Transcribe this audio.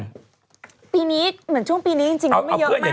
คที่นี้เหมือนช่วงปีนี้จริงก็ไม่เยอะมากนะเอาเพื่อน